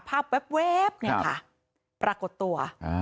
ภาพเว๊บเนี้ยค่ะปรากฏตัว